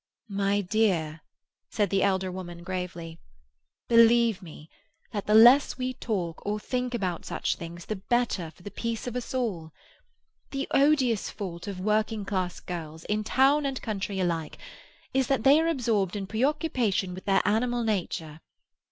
"My dear," said the elder woman gravely, "believe me that the less we talk or think about such things the better for the peace of us all. The odious fault of working class girls, in town and country alike, is that they are absorbed in preoccupation with their animal nature.